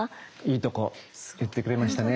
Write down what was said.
いいとこ言ってくれましたね。